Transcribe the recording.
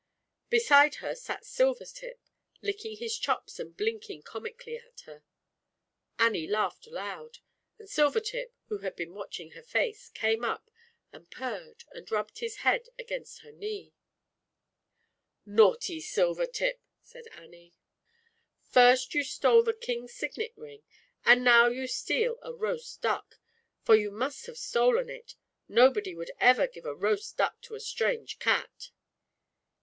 Beside her sat Silvertip, licking his chops and blink ing comically at her. Annie laughed .loud, and Silvertip, who had been watching her face, came up, and purred and rubbed his head against her knee, ZAUBERLINDA, THE WISE WITCH. 197 "Naughty Silvertip!" said Annie, "first you stole the King's Signet Ring, and now you steal a roast duck, for you must have stolen it, nobody would ever give a roast duck to a strange cat."